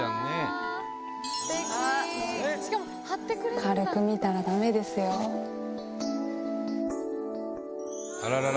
軽く見たらダメですよ。あららら！